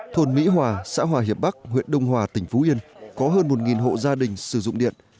thôn mỹ hòa xã hòa hiệp bắc huyện đông hòa tỉnh phú yên có hơn một hộ gia đình sử dụng điện